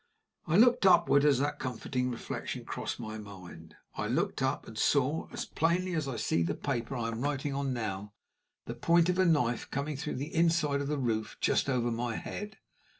I looked upward as that comforting reflection crossed my mind I looked up, and saw, as plainly as I see the paper I am now writing on, the point of a knife coming through the inside of the roof just over my head.